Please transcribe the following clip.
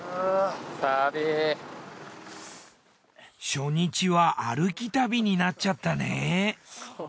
初日は歩き旅になっちゃったね。